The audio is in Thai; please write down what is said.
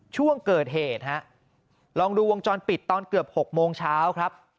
ช่วงเกิดเหตุฮะลองดูวงจรปิดตอนเกือบ๖โมงเช้าครับ